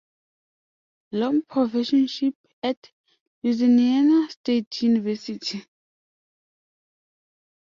Long Professorship at Louisiana State University.